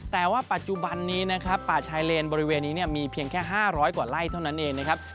แต่ว่าปัจจุบันนี้นะครับป่าชายเลนบริเวณนี้มีเพียงแค่๕๐๐กว่าไร่เท่านั้นเองนะครับ